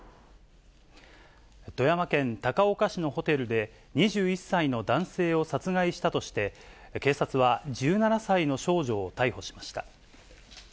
富山県高岡市のホテルで、２１歳の男性を殺害したとして、警察は１７歳の少女を逮捕しました。